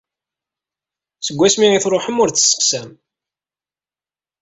Seg wasmi i truḥem ur d-testeqsam.